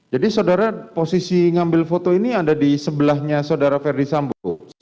jadi saudara posisi ngambil foto ini ada di sebelahnya saudara ferdisambu